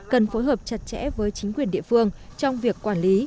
cần phối hợp chặt chẽ với chính quyền địa phương trong việc quản lý